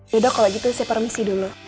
yaudah kalau gitu saya permisi dulu